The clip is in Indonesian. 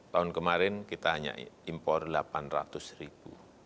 tahun kemarin kita hanya impor delapan ratus ribu